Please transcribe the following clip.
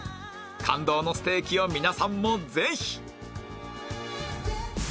感動のステーキを皆さんもぜひ